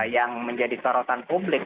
yang menjadi sorotan publik